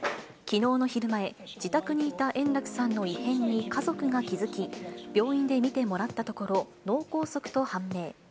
きのうの昼前、自宅にいた円楽さんの異変に家族が気付き、病院で診てもらったところ、脳梗塞と判明。